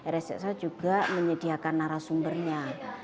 rssa juga menyediakan arah sumbernya